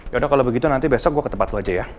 ya udah kalau begitu nanti besok gue ke tempat lu aja ya